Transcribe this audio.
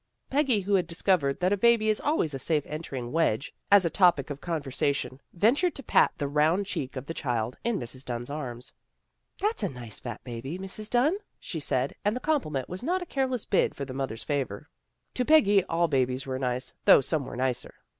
Peggy, who had discovered that a baby is always a safe entering wedge as a topic 124 THE GIRLS OF FRIENDLY TERRACE of conversation, ventured to pat the round cheek of the child in Mrs. Dunn's arms. " That's a nice fat baby, Mrs. Dunn," she said, and the compliment was not a careless bid for the mother's favor. To Peggy all babies were nice, though some were nicer.